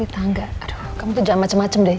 tangga aduh kamu tuh jangan macem macem deh